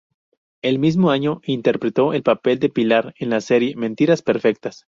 El mismo año interpretó el papel de Pilar en la serie "Mentiras Perfectas".